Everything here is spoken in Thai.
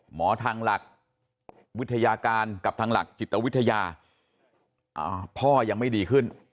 ทางหลักวิทยาการกับทางหลักจิตวิทยาพ่อยังไม่ดีขึ้น